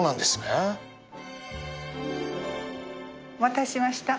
お待たせしました。